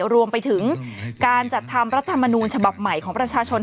รวมไปถึงการจัดทำรัฐมนูญฉบับใหม่ของประชาชน